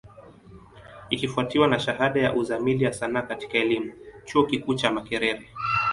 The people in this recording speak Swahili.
Ikifwatiwa na shahada ya Uzamili ya Sanaa katika elimu, chuo kikuu cha Makerere.